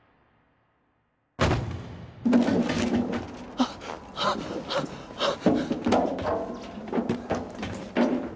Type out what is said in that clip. あっあっあっあっ